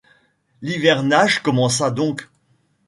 L’hivernage commença donc.